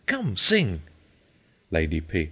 Come, sing. _Lady P.